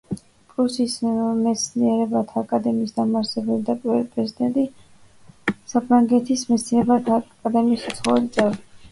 პრუსიის მეცნიერებათა აკადემიის დამაარსებელი და პირველი პრეზიდენტი, საფრანგეთის მეცნიერებათა აკადემიის უცხოელი წევრი.